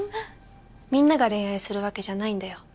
みんなが恋愛するわけじゃないんだよ